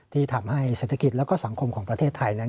ที่ทำให้เศรษฐกิจและสังคมของประเทศไทยนั้น